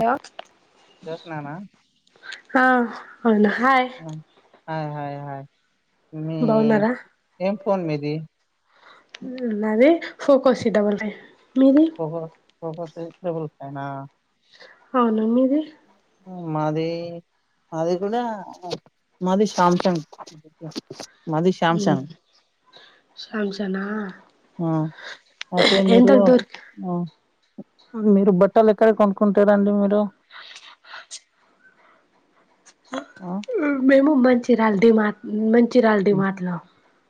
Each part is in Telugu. హలో జోష్నానా ఆ అవునా హాయ్ ఆ, హాయ్ హాయ్ హాయ్ య్ మీ బాగున్నారా ఏం ఫోన్ మీది నాది పోకో సి డబల్ ఫైవ్ మీది పోకో పోకోసి డబల్ ఫైవ్ నా అవును మీది మాది మాది కూడా మాది సాంసంగ్ మాది శ్యాంసాంగ్ శాంసనా ఆ అతే మీరు ఎంతకు దొరి మీరు బట్టలు ఎక్కడ కొనుక్కుంటారంండి మీరు ఆ మేము మంచిర్యాల డిమార్ట్ మంచిర్యాల డిమార్ట్ లో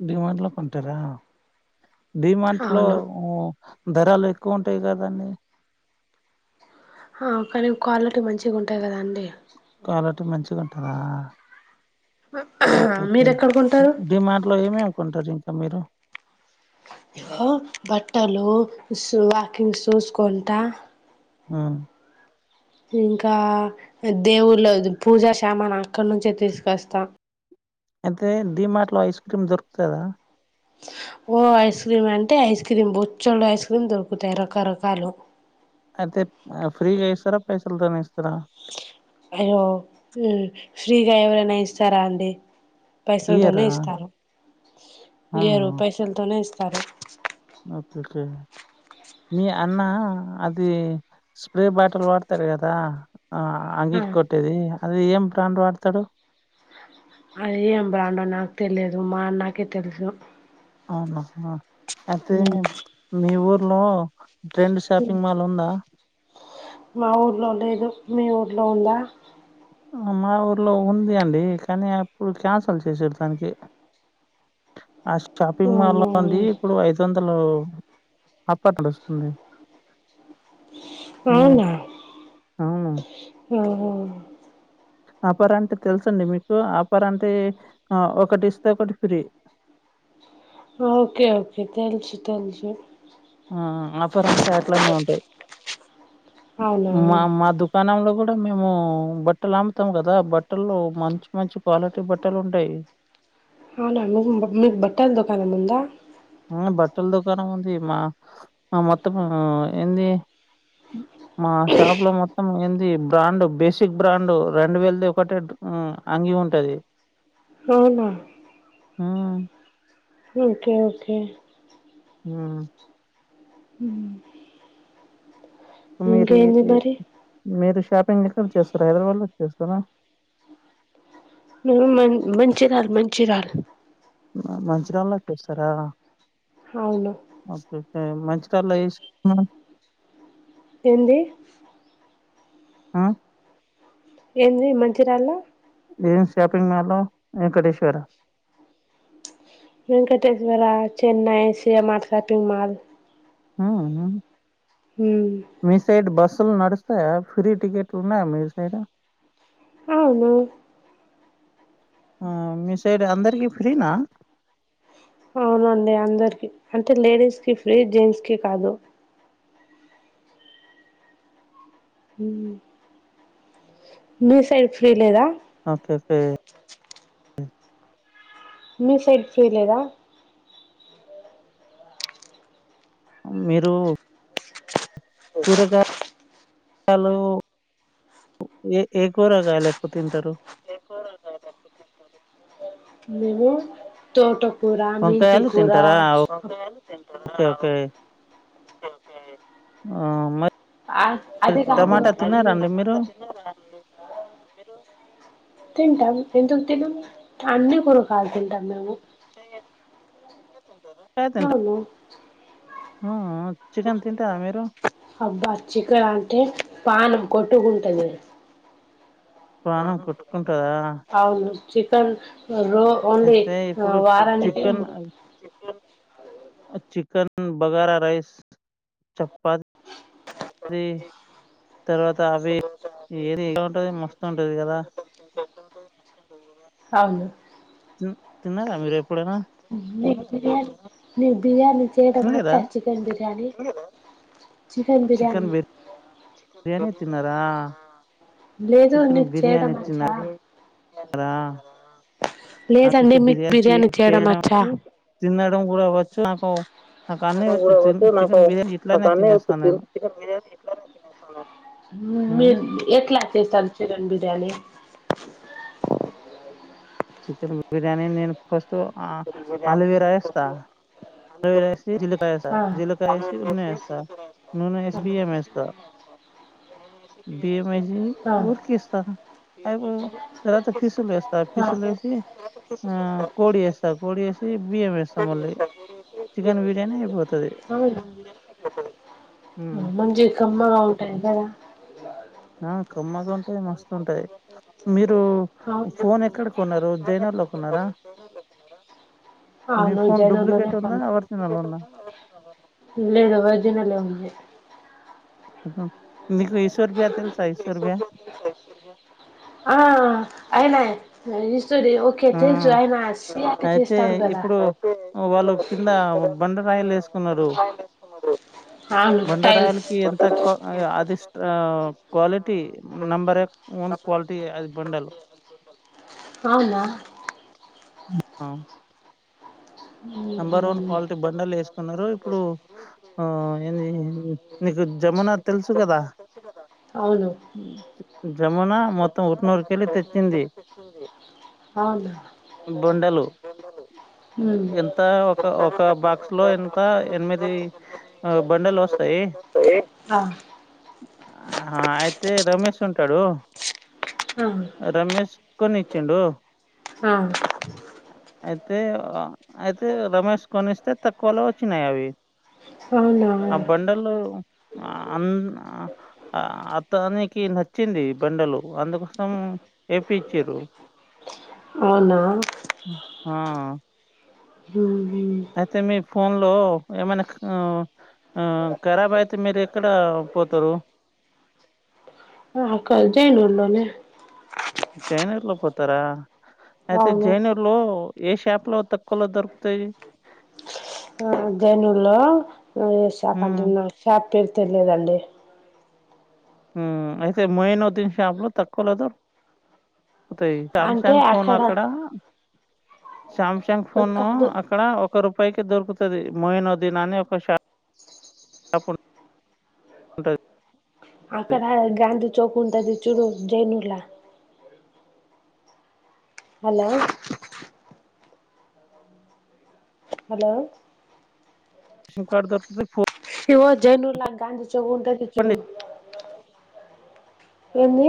డిమార్ట్ లో కొంటారా డిమార్ట్ లో అవును ధరాలు ఎక్కువ ఉంటాయి కదండీ ఆ కానీ క్వాలిటీ మంచిగా ఉంటాయి కదా అండి కాాలట్ మంచిగా ఉంటందా మీరు ఓకేే ఎక్కడ కొంటారు దీ మాంట్లో ఏమేం కొంటారు ఇంకా మీరు బట్టలుూ వాకింగ్ షూస్ కొంట ఆ ఇంకా దేవుళ్ళ పూజా శ్యామను అక్కడి నుంచే తీసుకొస్తా అయితే డీ మాట్లో ఐస్ క్రీమ్ దొరుకుతుందా ఓ ఐస్ క్రీమ్ అంటే ఐస్ క్రీమ్ బొచ్చోళ్ళు ఐస్ క్రీమ్ దొరుకుతాయి రకరకాలు ఐతే ఫ్ ఫ్రీగ ఇస్తర పైసల్తోనే ఇస్తరా అయ్యో ఫీ ఫ్రీగా ఎవరైనా ఇస్తారా అండీ పైసల్తోనే ఇయ్యరా? ఇస్తారు అవునా? ఇయ్యరు పైసల్తోనే ఇస్తారు ఓక్కేకే మీ అన్నా అదీ స్ప్రే బాటిల్ వాడ్తార్ గదా ఆ అంగీకి కొట్టేదీ అదీ ఏం బ్రాండ్ వాడ్తడు అదీ ఏం బ్రాండో నాక్ తెలీదు మా అన్నాకే తెల్సు ఆఁ ఐతే మీ ఊర్లో ట్రెండ్ షాపింగ్ మాల్ లుందా మా ఊర్లో లేదు మీ ఊర్లో ఉందా ఊఁ మా ఊర్లో ఉంది అండీ కానీ అప్పుడు క్యాన్సల్ చేసిర్ దానికి ఆ షాపింగ్ మాల్లో అవునా అండీ ఇప్పుడు ఐదొందలూ అప్పుడొస్తుంది మ్ అవునా మ్ మ్మ్ ఆఫర్ అంటే తెలుసండి మీకూ ఆఫర్ అంటే ఒకటిస్తే ఒకటి ఫ్రీ ఓకే ఓకే తెల్సు తెల్సు ఆఁ ఆఫరంటే అట్లానె ఉంటయ్ అవునా మా మా దుకానంలో గుడ్ మేమూ బట్టలమ్ముతాం గదా బట్టల్లో మంచి మంచి క్వాలిటీ బట్టలుంటయ్ అవునా అండి మీక్ బట్టల్ దుకానముందా ఆఁ బట్టల్ దుకాణం ఉంది మా మమొత్తమూ ఏందీ ఉ మా షాప్ లో మొత్తము ఏందీ బ్రాండు, బేసిక్ బ్రాండు రెండు వేల్ది ఒకటే అంగ్ మీ ఉంటదీ ఔనా ఆ ఓకే ఓకే ఆ హుమ్ మీరీ ఏ మరి మీరుష్ షాపింగ్ ఎక్కడ చేస్తరా, హైదరాబాద్లో చేస్తరా? మేం మన్ మంచిర్యాల మంచిర్యాల ఆ మంచిర్యాళ్ళో చేస్తరా? ఔను ఏం మంచి కార్లో ఏసీ మా ఏందీ ఆ ఏందీ మంచిర్యాల్ల ఏం షాపింగ్ మాల్లో Venkateshwara Venkateswara, Chennai, CM R shopping mall ఊ ఊ హ్మ్ మీసైడ్ బస్ స్సుల్ నడుస్తయా, ఫ్రీ టికెట్లున్నయా మీ సైడు? ఔను ఆ మీసైడ్ అందర్కీ ఫ్రీనా? ఔనండీ అందర్కీ అంటే లేడీస్ కి ఫ్రీ, జెంట్స్ కి కాదు. ఊ మీ సైడ్ ఫ్రీ లేదా? అపెప్పే మీ సైడ్ ఫ్రీ లేదా? మీరు కూరగా యలు ఏ ఏ కూరగాయలు ఎక్కువ తింటారు? తోటకూరా, వంకాయలు మెంతీకూరా తింటారా ఓకే ఓకే ఓకే ఆ, మరి అ అదే కాదు టమాటా అది తినారండి మీరు చి వంకాయ తింటాం ఎందుకు తినం అన్ని కురగాయలు తిం టాం మేము పెత్ ఎంత అవును ఉ ఊ ఆ బచ్చికాలంటే పానం కొట్టుకుంటుంది ప్రాణం కొట్టుకుంటుందా అవును చికెన్ రో ఓన్లీ అయితే అ ఇప్పుడు వారానికి చికెన్ మ్ బగారా రైస్, చపా తి ఉంటది మస్తు ఉంటది కదా [unintelligible] అవును జు తిన్నదామే నీకు బిర్యానీ నీకు బిర్యానీ చేయడం అచ్చ తినలేదా చికెన్ బిర్యానీ? నువ్వేమా చికెన్ బిర్యానీ బిర్యానీ తిన్నారా లేదు చికెన్ నీక్ బిర్యానీ చేయడమాచ్చా బిర్యానీ తిన్నారా తిన్నరా ఆ లేదండి చికెన్ మీక్ బిర్యానీ చేయడం చేయడమాచ్చా తినడం గూడా ఓచ్చు నాకు నాకు అన్నీ వచ్చు తిన్ చికెన్ బిర్యానీ ఏట్లైనా తినేస్తా నేను బిర్యానీ ఏట్లైయ్ నా తినేస్తాను ఉమ్, మీరు బీర్యాన్ క్లాంటెస్ సంచులన్ బిర్యానీ చికెన్ బిర్యానీ నేన్ ఫస్టు ఆ ఆలువేరా ఏస్తా ఆలువేర ఎసి జీల్లుకాయ్ ఏస్స ఆ ఆ జీల్లుకాయ్ ఏసి నూనా ఏస్తా నూనె ఏసి బియ్యం వేస్తా [inaudible] బియ్యమేసీ ఊకీస్త అయిపో తర్వత ఫిస్సులేస్తబ్ ఆ ఫిస్సులేసి ఆ కోడి ఏసా కోడి ఏసి బీ కోడి ఎస్తా కోడి ఏసీ బియ్యం వేస్తా బిర్యానీ మళ్ళీ అయిపోతుంది ఔనా బిర్యానీ ఐపోతది హ్మ్ మంజీగ్ కమ్మాగా ఉంటది గదా ఆ కమ్మగుంటాది మస్తు ఉంటాది మీరు ఫో ఫోన్ ఎక్కడక కొన్నరు జేనా లో కోన్నర ఔను జేనాబ్ లోనే డూప్లికేట్ ఉందా కొన్ ఒరిజినల్ ఉందా లేదు వర్ జ్ నలే ఉంది సంక్ ఆ ఆ ఐనా తైవిష్ సరే ఓకే ఆ, తెల్సు ఐ మ్యస్ సీఅర్ పి అయితే తిస్తాడు గదా ఇప్పుడు ఓకే ఇప్పుడు అదే అన్నర్ టైలేస్సుకున్నరు ఆ డో ఆను టైల్స్ కొత్త ఎంత క్వా డోర్ అది ఎంతన్నరు స్ట్ ఆహ్, ఆ క్వాలిటీ టోంటి నంబర్ వన్ అక్కరే క్వాలిటీ అది టోంటి బండలు. యే ఆ జెప్పల్ ఔనా ఆ నెంబర్ వన్ క్వాలిటీ బండలేసుకున్నరు ఇప్పుడు ఆ ఏందీ నీకు జా యమునా తెల్స్ గదా షేగేదా జమానా మొత్తం ఉట్ నూరి నీద్దలు చెప్పింది ఔనా బండలు. గుండులు ఆహ్, ఉమ్ ఎంత ఒక ఒక బాక్స్ లో ఎంత ఎనిమిది ఆ బండలోస్తాయ్ ఏ త్త ఆ ఐతే రమేషూంటడు ఆ రమేష్ కొన్నిచ్చిండు ఆ తే ఆ ఐతే రమేష్ కొనిస్తే తక్కువ్ లో ఓచ్చినాయ్ అవి అవునా ఆ బండలు ఆన్ అ అతనీక్ కి నచ్చింది బండలు అందుకోసమ్ ఏ పిచ్చిరు అవునా హా ఆ హుమ్ ఐతే మీ ఫోన్ లో ఏమైనా క ఆ ఆ ఆ కరాబైతే మీరు ఎక్కడ పోతరు ఆ కల్ జేన్ లుల్ లోనే జైనూర్ లో పోతారా అయితే అవును జైనూర్ లో ఏ షాప్ లో తక్కువలో దొరుకుతాయి ఆ జైనూర్ లో అంటే హ్మ్. నా షాప్ పేరు తెలిలేదండి ఉ అయితే మైనుద్దీన్ షాప్ లో తక్కువ లో కొరకు పోతాయి సామ్సంగ్ ఫోన్ అక్కడ సామ్సంగ్ ఫోను కాదు అక్కడ ఒక రూపాయికి దొరుకుతది మైనుద్దీన్ అనే ఒక షాప్ షాపు ఉంటంది అక్కడ గాంధీ చోప్ ఉంటది చూడు చేనేలా హలో హలో [inaudible] ఇవ జనూలా గగాధీ చావో ఉంటది చూడు పోండి ఏంది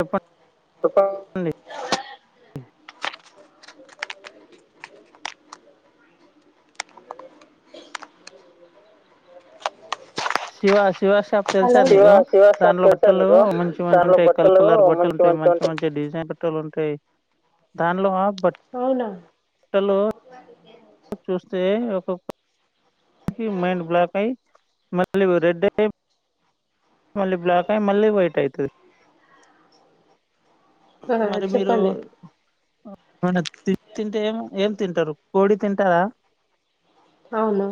చెప్పండి శివాస్ శివ షాప్ తెలుసా శివ నీకు శివ షాప్ దానిలో తెలుసా బట్టలు నీకు మంచి మంచి దాంట్లో ఉంటాయి కలర్ బట్టలు కలర్ బట్టలు ఉంటాయి మంచివి మంచి మంచి డిజైన్ డిజైన్ బట్టలు ఉంటాయి దానిలో అవునా బట్టలు చూస్తే ఒక ఒకటి మైండ్ బ్లాక్ అయి మళ్ళీ రెడ్ అయి మళ్ళీ బ్లాక్ అయి మళ్ళీ వైట్ అయితది ఆ మరి మీరు చెప్పండి తి తింటే ఏం ఏం తింటారు కోడి తింటారా అవును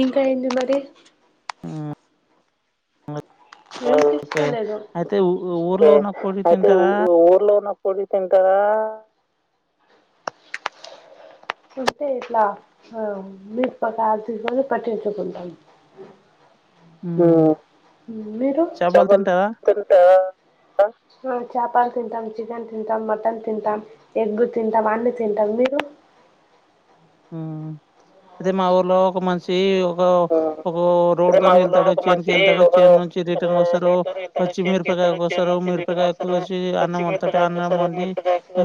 ఇంకా ఏంటి మరి మ్మ్. వినిపిస్త ఓకే లేదు అయితే ఊ- ఒకే ఊర్లో ఉన్న కోడి అయితే తింటారా ఊర్లో ఉన్నప్పుడు కోడి తింటారా ఉంటే ఇట్లా ఆ మీ పకాల్ తీసుకొని పట్టించుకుంటాం ఉ మ్మ్. మీరు చేపలు చాపలు తింటారా తింటారా ఉ చేపలు తింటాం చికెన్ తింటాం మటన్ తింటాం ఎగ్ తింటాం అన్నీ తింటాం మీరు ఉ అయిదతే మా ఊర్లో ఒక మనిషి ఒక ఒక రోడ్ తోని వెళ్తాడు చైన్ కి వెళ్తాడు చైన్ నుంచి రిటర్న్ వస్తారు వచ్చి మీరు వస్తారు మిరుపకా కోసి అన్నం తోటి వండి ఉ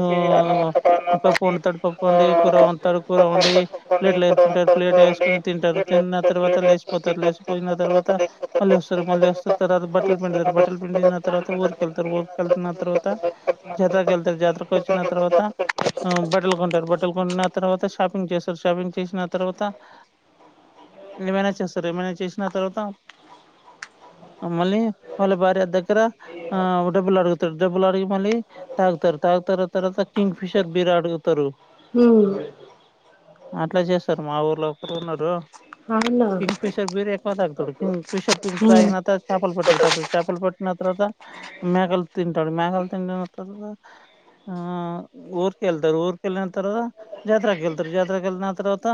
పప్ పప్పు వడుతాడు పప్పు వండి కూర వండుతాడు కూర వండి ప్లేట్లు వేసుకుంటారు ప్లేట్ వేసుకానీ తింటాడు తీన్ తిన్న తర్వాత లేచపోతారు లేచపోయిన తర్వాత మళ్ళీ వస్తారు మళ్ళీ వస్తారు తర్వాత బట్టలు పిడుతారు బట్టలు పిండి తర్వాత ఊరుకెళ్తారు ఊరుకిళ్త నా తర్వాత జాతాకుెళ్తారు జాతకు వచ్చిన తర్వాత బట్టలు కొంటారు బట్టలు కొన తర్వాత షాపింగ్ చేస్తారు షాపింగ్ చేసిన తర్వాత ఏమైనాజ్ చేస్తారా ఏమైనాజ్ చేసినా తర్వాత మళ్ళలీ మళ్ళ బార అ దగ్ర ఆ డబ్బుల్ ఆడుగుతారు డబ్బుల్ ఆడిగి మళ్ళలీ తాగుతారు తా తా తర్త కింగ్ ఫిషర్ బరాడుతారు హ అట్లా చేస్తారు మా ఊర్లో ఒకరు ఉన్నారు అవునా పతుడుిషర్గ ఫ్రెష్ అప్ అయినా తరువాత చాపల్ పట్ తరాత చేపలు పట్టిన తర్వాత మేకలు తింటరు మేకలు తిన్న తర్వాత ఆ ఊర్కెల్తారు ఊర్కేళ్లిన తర్వా జాతర కెళ్తారు జాతరకేలిన తర్వాత